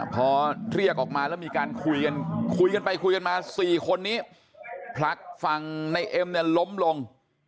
พอเรียกออกมาแล้วมีการคุยกันไปคุยกันมาสี่คนนี้พลักฟังในเอมล้มลง